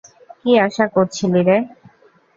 কি আশা করছিলিরে?